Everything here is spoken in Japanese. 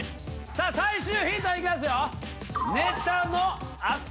最終ヒントいきますよ。